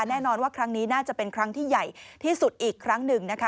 แน่นอนว่าครั้งนี้น่าจะเป็นครั้งที่ใหญ่ที่สุดอีกครั้งหนึ่งนะคะ